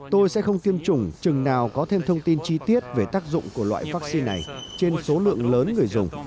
tôi sẽ không tiêm chủng chừng nào có thêm thông tin chi tiết về tác dụng của loại vaccine này trên số lượng lớn người dùng